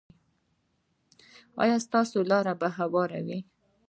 ایا ستاسو لاره به هواره وي؟